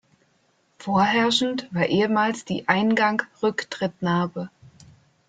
Vorherrschend war ehemals die Eingang-Rücktrittnabe.